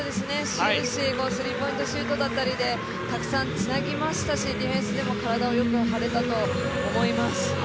終始、スリーポイントシュートだったりでたくさんつなぎましたしディフェンスでも体をよく張れたと思います。